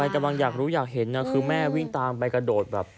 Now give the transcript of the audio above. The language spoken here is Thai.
กำลังอยากรู้อยากเห็นนะคือแม่วิ่งตามไปกระโดดแบบ